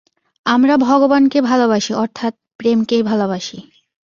আমরা ভগবানকে ভালবাসি অর্থাৎ প্রেমকেই ভালবাসি।